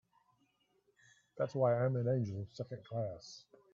That's why I'm an angel Second Class.